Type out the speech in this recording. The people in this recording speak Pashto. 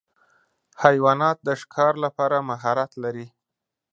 حیوانات د ښکار لپاره مهارت لري.